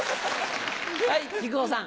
はい木久扇さん。